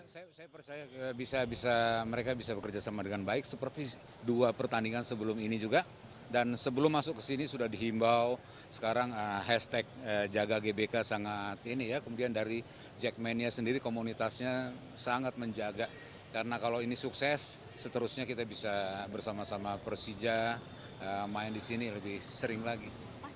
saya percaya mereka bisa bekerja sama dengan baik seperti dua pertandingan sebelum ini juga dan sebelum masuk ke sini sudah dihimbau sekarang hashtag jaga gbk sangat ini ya kemudian dari jackmania sendiri komunitasnya sangat menjaga karena kalau ini sukses seterusnya kita bisa bersama sama persija main disini lebih sering lagi